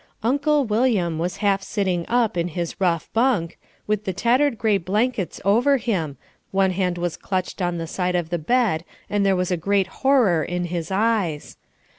Uncle William was half sitting up in his rough bunk, with the tattered gray blankets over him, one hand was clutched on the side of the bed and there was a great horror in his eyes.